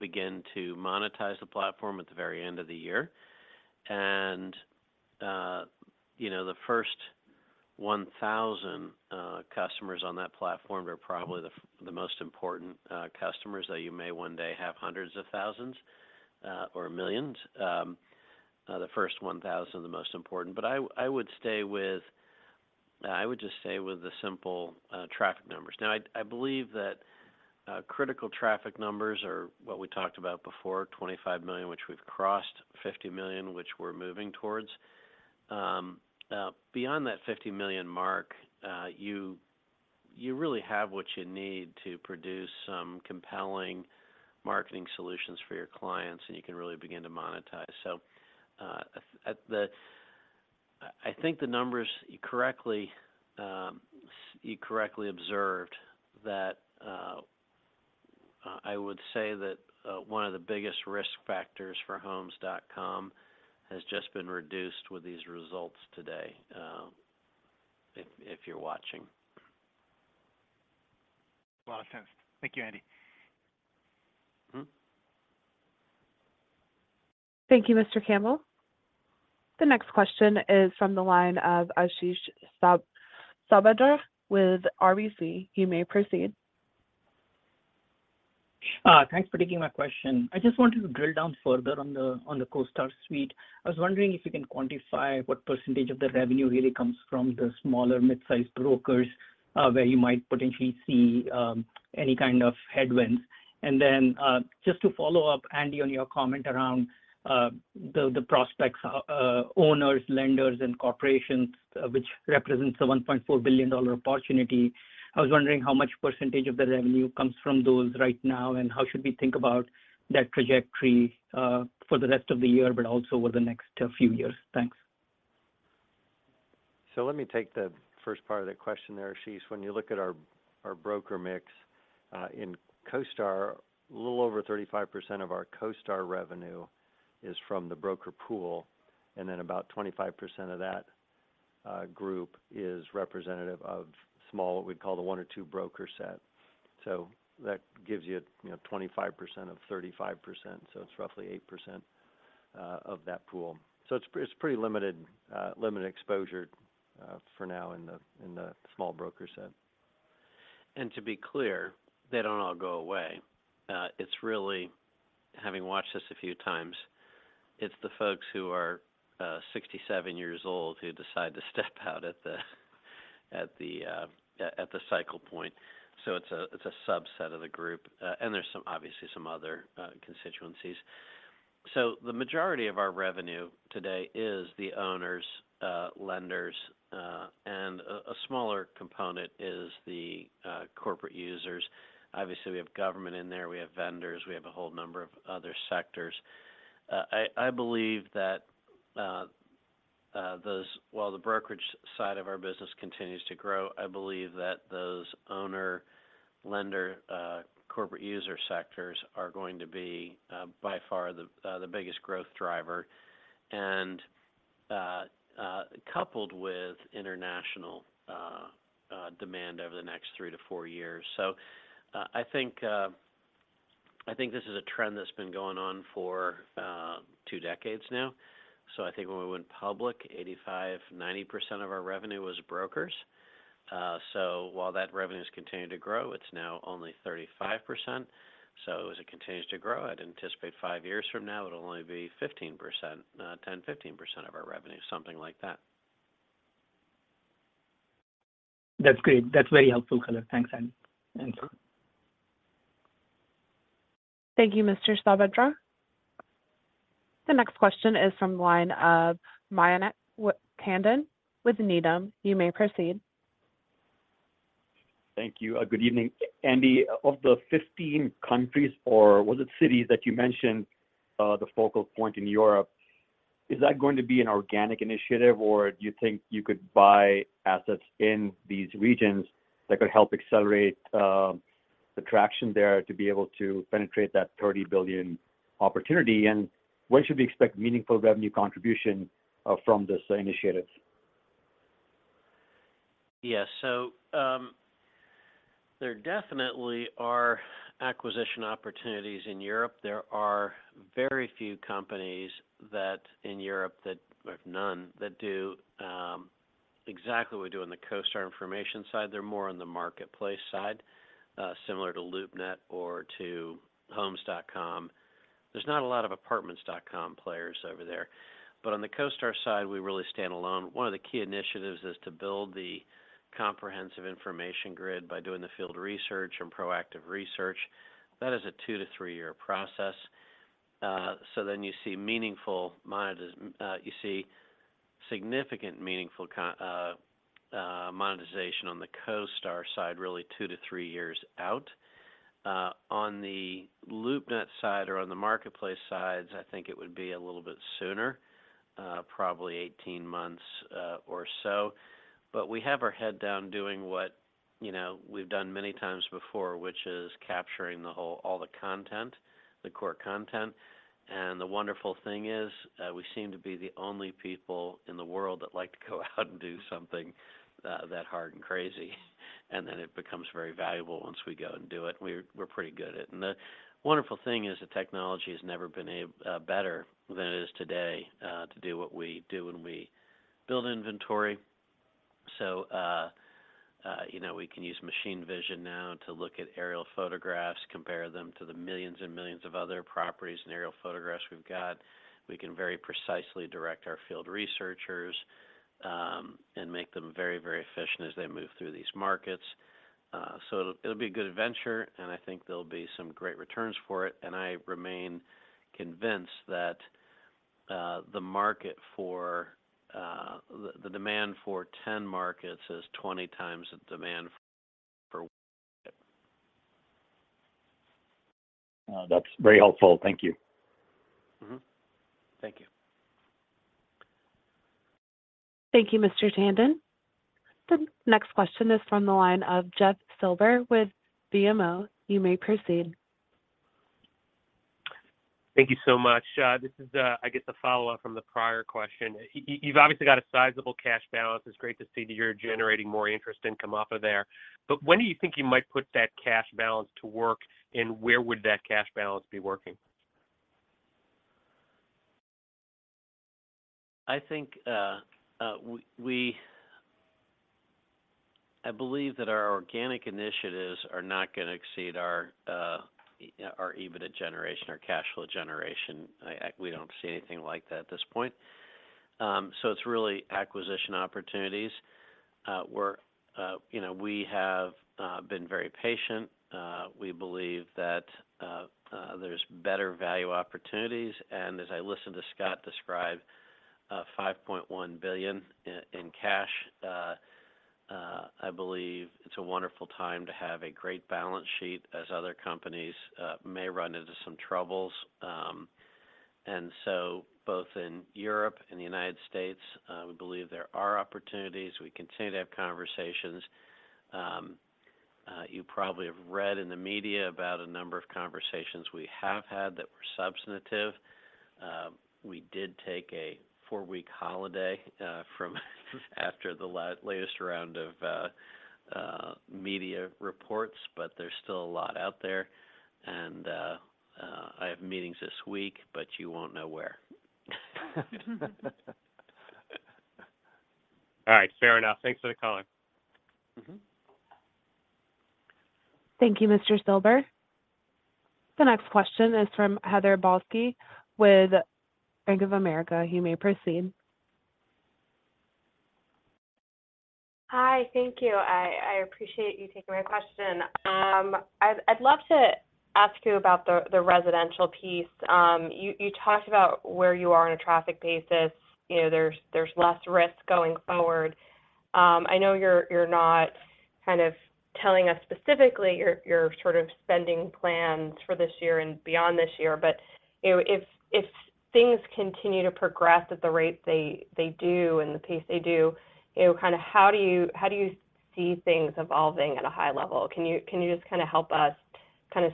begin to monetize the platform at the very end of the year. You know, the first 1,000 customers on that platform are probably the most important customers, though you may one day have hundreds of thousands or millions. The first 1,000 are the most important. I would stay with. I would just stay with the simple traffic numbers. I believe that critical traffic numbers are what we talked about before, 25 million, which we've crossed, 50 million, which we're moving towards. Beyond that 50 million mark, you really have what you need to produce some compelling marketing solutions for your clients, and you can really begin to monetize. At I think the numbers correctly, you correctly observed that I would say that one of the biggest risk factors for Homes.com has just been reduced with these results today, if you're watching. A lot of sense. Thank you, Andy. Mm-hmm. Thank you, Mr. Campbell. The next question is from the line of Ashish Sabadra with RBC. You may proceed. Thanks for taking my question. I just wanted to drill down further on the CoStar Suite. I was wondering if you can quantify what % of the revenue really comes from the smaller mid-sized brokers, where you might potentially see any kind of headwinds. Just to follow up, Andy, on your comment around the prospects, owners, lenders, and corporations, which represents a $1.4 billion opportunity, I was wondering how much % of the revenue comes from those right now, and how should we think about that trajectory for the rest of the year but also over the next few years? Thanks. Let me take the first part of that question there, Ashish. When you look at our broker mix in CoStar, a little over 35% of our CoStar revenue is from the broker pool, and then about 25% of that group is representative of small, what we'd call the one or two broker set. That gives you know, 25% of 35%, so it's roughly 8% of that pool. It's pretty limited exposure for now in the small broker set. To be clear, they don't all go away. It's really, having watched this a few times, it's the folks who are 67 years old who decide to step out at the cycle point. It's a subset of the group. There's some, obviously some other constituencies. So the majority of our revenue today is the owners, lenders, and a smaller component is the corporate users. Obviously, we have government in there, we have vendors, we have a whole number of other sectors. I believe that while the brokerage side of our business continues to grow, I believe that those owner-lender, corporate user sectors are going to be by far the biggest growth driver. Coupled with international demand over the next 3 to 4 years. I think this is a trend that's been going on for 2 decades now. I think when we went public, 85%-90% of our revenue was brokers. While that revenue has continued to grow, it's now only 35%. As it continues to grow, I'd anticipate 5 years from now, it'll only be 15%. 10%-15% of our revenue, something like that. That's great. That's very helpful color. Thanks, Andy. Thank you, Mr. Sabadra. The next question is from the line of Mayank Tandon with Needham. You may proceed. Thank you. Good evening. Andy, of the 15 countries, or was it cities that you mentioned, the focal point in Europe, is that going to be an organic initiative, or do you think you could buy assets in these regions that could help accelerate the traction there to be able to penetrate that $30 billion opportunity? When should we expect meaningful revenue contribution from this initiatives? Yes. There definitely are acquisition opportunities in Europe. There are very few companies that in Europe that, or none, that do exactly what we do on the CoStar information side. They're more on the marketplace side, similar to LoopNet or to Homes.com. There's not a lot of Apartments.com players over there. On the CoStar side, we really stand alone. One of the key initiatives is to build the comprehensive information grid by doing the field research and proactive research. That is a 2-3-year process. You see significant meaningful monetization on the CoStar side, really 2-3 years out. On the LoopNet side or on the marketplace sides, I think it would be a little bit sooner, probably 18 months or so. We have our head down doing what, you know, we've done many times before, which is capturing the whole all the content, the core content. The wonderful thing is, we seem to be the only people in the world that like to go out and do something that hard and crazy, and then it becomes very valuable once we go and do it. We're pretty good at it. The wonderful thing is the technology has never been better than it is today, to do what we do when we build inventory. You know, we can use machine vision now to look at aerial photographs, compare them to the millions and millions of other properties and aerial photographs we've got. We can very precisely direct our field researchers, and make them very, very efficient as they move through these markets. It'll be a good venture, and I think there'll be some great returns for it. I remain convinced that, the market for, the demand for 10 markets is 20 times the demand for one market. That's very helpful. Thank you. Mm-hmm. Thank you. Thank you, Mr. Tandon. The next question is from the line of Jeff Silber with BMO. You may proceed. Thank you so much. This is, I guess a follow-up from the prior question. You've obviously got a sizable cash balance. It's great to see that you're generating more interest income off of there. When do you think you might put that cash balance to work, and where would that cash balance be working? I think I believe that our organic initiatives are not gonna exceed our or EBITDA generation or cash flow generation. I We don't see anything like that at this point. It's really acquisition opportunities. We're you know, we have been very patient. We believe that there's better value opportunities. As I listen to Scott describe $5.1 billion in cash, I believe it's a wonderful time to have a great balance sheet as other companies may run into some troubles. Both in Europe and the United States, we believe there are opportunities. We continue to have conversations. You probably have read in the media about a number of conversations we have had that were substantive. We did take a 4-week holiday, from after the latest round of media reports, but there's still a lot out there. I have meetings this week, but you won't know where. All right, fair enough. Thanks for the color. Mm-hmm. Thank you, Mr. Silber. The next question is from Heather Balsky with Bank of America. You may proceed. Hi, thank you. I appreciate you taking my question. I'd love to ask you about the residential piece. You talked about where you are on a traffic basis, you know, there's less risk going forward. I know you're not kind of telling us specifically your sort of spending plans for this year and beyond this year, but, you know, if things continue to progress at the rate they do and the pace they do, you know, how do you see things evolving at a high level? Can you just help us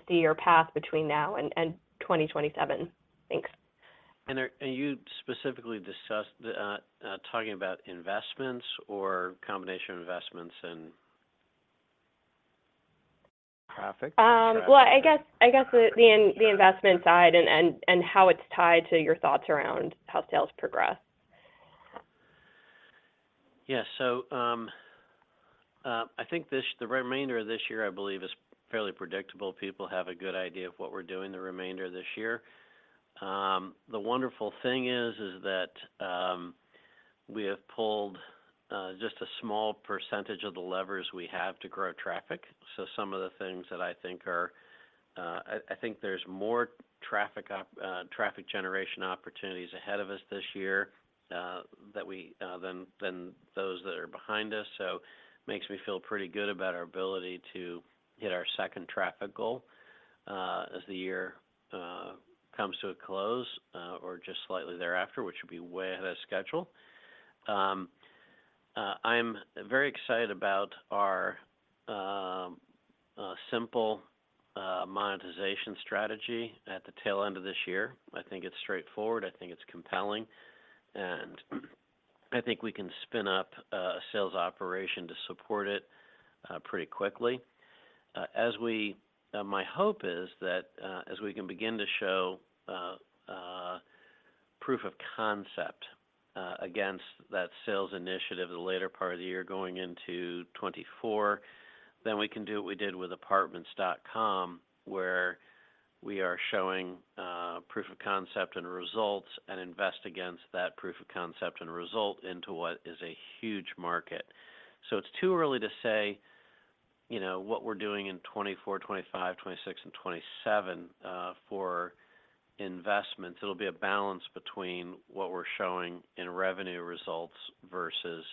see your path between now and 2027? Thanks. Are you specifically talking about investments or combination of investments and traffic? I guess the investment side and how it's tied to your thoughts around how sales progress. Yeah. I think the remainder of this year, I believe, is fairly predictable. People have a good idea of what we're doing the remainder of this year. The wonderful thing is that we have pulled just a small percentage of the levers we have to grow traffic. Some of the things that I think are, I think there's more traffic generation opportunities ahead of us this year, that we than those that are behind us. Makes me feel pretty good about our ability to hit our second traffic goal as the year comes to a close or just slightly thereafter, which would be way ahead of schedule. I'm very excited about our simple monetization strategy at the tail end of this year. I think it's straightforward, I think it's compelling. I think we can spin up a sales operation to support it pretty quickly. My hope is that as we can begin to show proof of concept against that sales initiative the later part of the year going into 2024, we can do what we did with Apartments.com, where we are showing proof of concept and results and invest against that proof of concept and result into what is a huge market. It's too early to say, you know, what we're doing in 2024, 2025, 2026, and 2027 for investments. It'll be a balance between what we're showing in revenue results versus,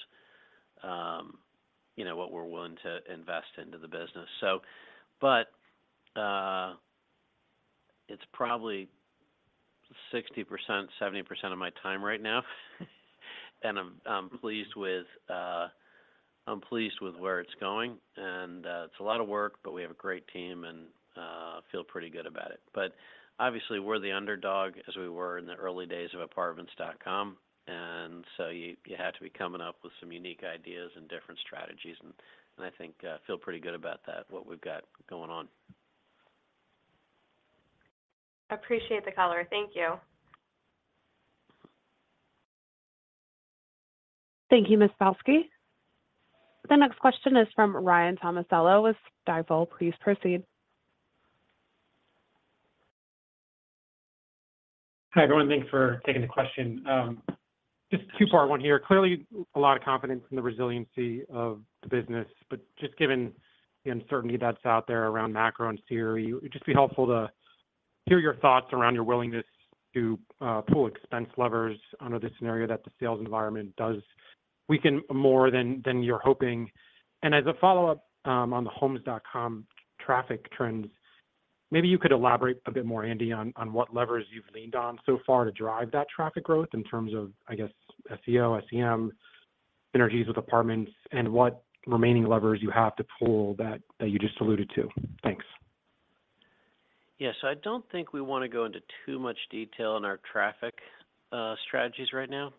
you know, what we're willing to invest into the business. It's probably 60%, 70% of my time right now. I'm pleased with where it's going. It's a lot of work, but we have a great team, and feel pretty good about it. Obviously, we're the underdog as we were in the early days of Apartments.com. You had to be coming up with some unique ideas and different strategies. I think feel pretty good about that, what we've got going on. Appreciate the color. Thank you. Thank you, Ms. Balsky. The next question is from Ryan Tomasello with Stifel. Please proceed. Hi, everyone. Thanks for taking the question. Just two part one here. Clearly, a lot of confidence in the resiliency of the business. Just given the uncertainty that's out there around macro and CRE, it'd just be helpful to hear your thoughts around your willingness to pull expense levers under the scenario that the sales environment does weaken more than you're hoping. As a follow-up, on the Homes.com traffic trends, maybe you could elaborate a bit more, Andy, on what levers you've leaned on so far to drive that traffic growth in terms of, I guess, SEO, SEM, synergies with Apartments.com, and what remaining levers you have to pull that you just alluded to. Thanks. Yes. I don't think we want to go into too much detail on our traffic strategies right now,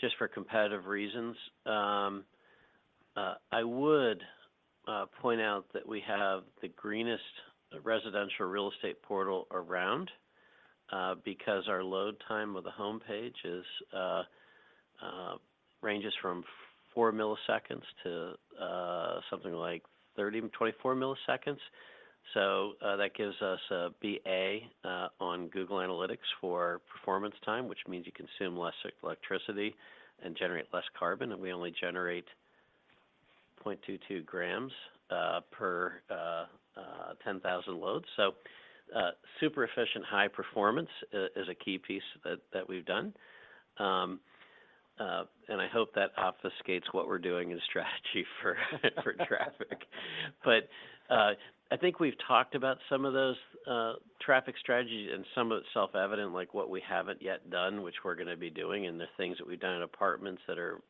just for competitive reasons. I would point out that we have the greenest residential real estate portal around because our load time of the homepage is ranges from 4 milliseconds to something like 30, 24 milliseconds. That gives us a B.A. on Google Analytics for performance time, which means you consume less electricity and generate less carbon. We only generate 0.22 grams per 10,000 loads. Super efficient, high performance is a key piece that we've done. I hope that obfuscates what we're doing in strategy for traffic. I think we've talked about some of those traffic strategies and some of it's self-evident, like what we haven't yet done, which we're gonna be doing, and the things that we've done in apartments that are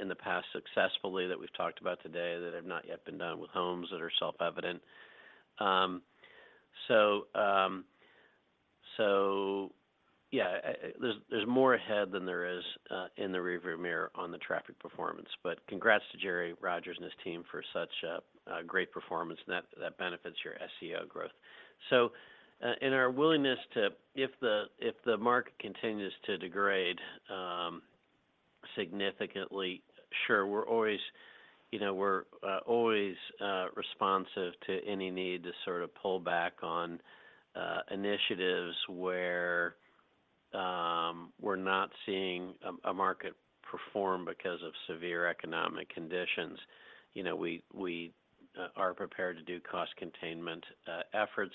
in the past successfully that we've talked about today that have not yet been done with homes that are self-evident. Yeah. There's more ahead than there is in the rearview mirror on the traffic performance. Congrats to Gerry Rodgers and his team for such a great performance, and that benefits your SEO growth. In our willingness to if the market continues to degrade significantly, sure, we're always, you know, we're always responsive to any need to sort of pull back on initiatives where we're not seeing a market perform because of severe economic conditions. You know, we are prepared to do cost containment efforts.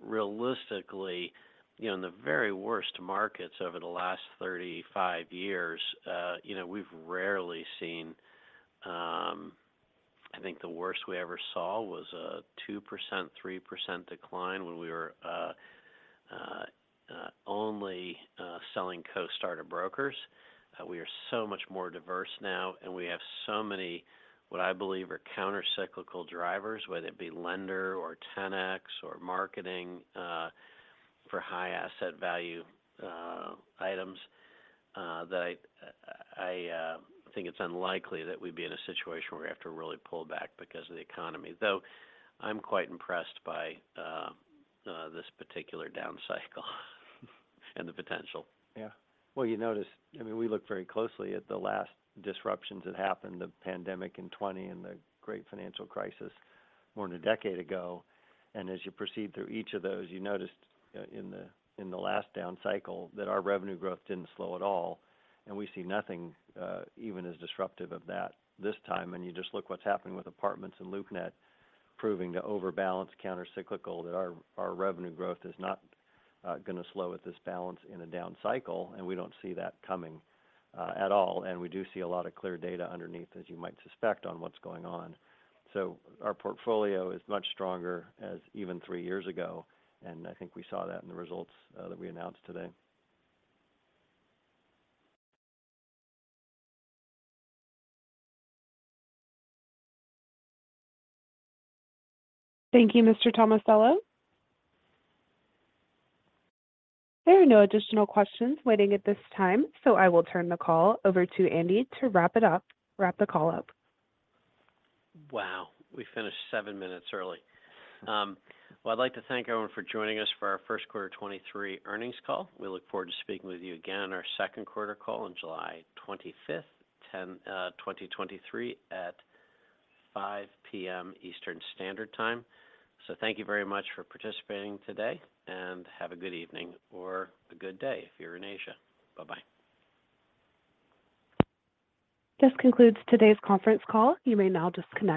Realistically, you know, in the very worst markets over the last 35 years, you know, we've rarely seen. I think the worst we ever saw was a 2%-3% decline when we were only selling CoStar brokers. We are so much more diverse now, and we have so many, what I believe are counter-cyclical drivers, whether it be lender or Ten-X or marketing for high asset value items that I think it's unlikely that we'd be in a situation where we have to really pull back because of the economy. I'm quite impressed by this particular down cycle and the potential. Yeah. Well, you notice, I mean, we looked very closely at the last disruptions that happened, the pandemic in 2020 and the Great Financial Crisis more than a decade ago. As you proceed through each of those, you noticed in the last down cycle that our revenue growth didn't slow at all, and we see nothing even as disruptive of that this time. You just look what's happening with apartments and LoopNet proving to over balance counter-cyclical that our revenue growth is not gonna slow at this balance in a down cycle, and we don't see that coming at all. We do see a lot of clear data underneath, as you might suspect, on what's going on. Our portfolio is much stronger as even 3 years ago, and I think we saw that in the results that we announced today. Thank you, Mr. Tomasello. There are no additional questions waiting at this time, I will turn the call over to Andy to wrap the call up. Wow, we finished 7 minutes early. Well, I'd like to thank everyone for joining us for our first quarter 23 earnings call. We look forward to speaking with you again on our second quarter call on July 25th, 2023 at 5:00 P.M. Eastern Standard Time. Thank you very much for participating today, and have a good evening or a good day if you're in Asia. Bye-bye. This concludes today's conference call. You may now disconnect.